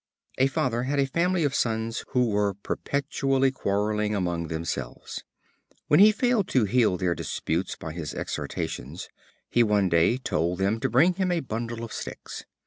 A Father had a family of sons who were perpetually quarreling among themselves. When he failed to heal their disputes by his exhortations, he one day told them to bring him a bundle of sticks.